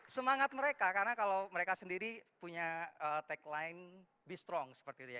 semangat mereka karena kalau mereka sendiri punya tagline bestrong seperti itu ya